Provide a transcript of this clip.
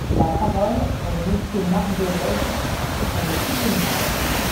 La parole est Monsieur Marc Dolez, pour le soutenir.